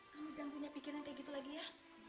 kamu jangan punya pikiran kayak gitu lagi ya